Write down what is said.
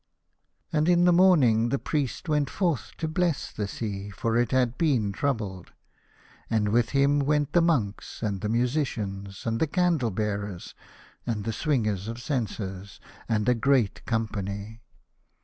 And in the morning the Priest went forth to bless the sea, for it had been troubled. And with him went the monks and the musicians, and the candle bearers, and the swingers of censers, and a great company.